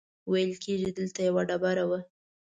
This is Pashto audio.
ویل کېږي دلته یوه ډبره وه.